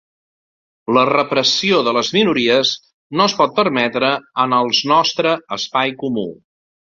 La repressió de les minories no es pot permetre en els nostre espai comú.